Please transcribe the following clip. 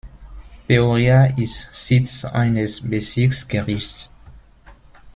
Peoria ist Sitz eines Bezirksgerichts.